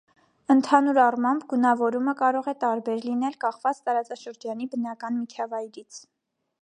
Ընդհանուր առմամբ, գունավորումը կարող է տարբեր լինել, կախված տարածաշրջանի բնական միջավայրից։